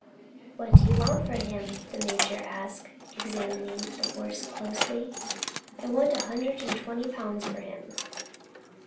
"What do you want for him?" the major asked, examining the horse closely. "I want a hundred and twenty pounds for him."